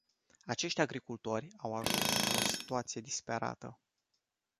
Acești agricultori au ajuns într-o situație disperată.